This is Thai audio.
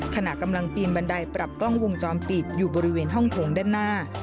ขณะกำลังปีนบันไดปรับกล้องวงจรปิดอยู่บริเวณห้องโถงด้านหน้า